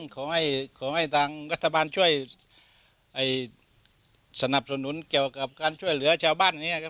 ขอให้ทางรัฐบาลช่วยสนับสนุนเกี่ยวกับการช่วยเหลือชาวบ้านอย่างนี้ครับ